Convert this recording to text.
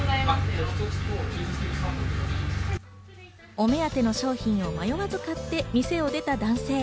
お目当ての商品を迷わず買って店を出た男性。